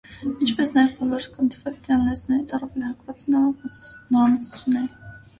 Ինչպես նաև բոլոր սկանդինավյան լեզուներից առավել հակված է նորամուծությունների։